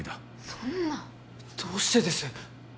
そんなどうしてです！？